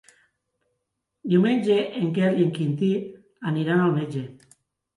Diumenge en Quel i en Quintí aniran al metge.